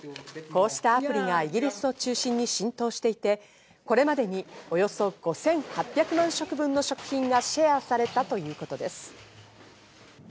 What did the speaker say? こうしたアプリがイギリスを中心に浸透していて、これまでにおよそ５８００万食分の食品がシェアされたということです。